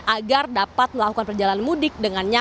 agar dapat melakukan perjalanan mudik dengan nyaman